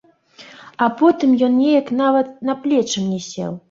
А потым ён неяк нават на плечы мне сеў.